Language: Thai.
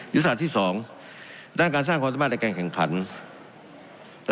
ยุทธศาสตร์ที่๒ด้านการสร้างความสัมพันธศาสตร์ในแก่งแข่งขัน